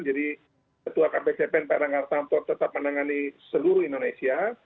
jadi ketua kpkp dan pak erlangga tetap menangani seluruh indonesia